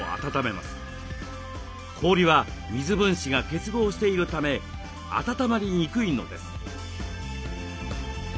氷は水分子が結合しているため温まりにくいのです。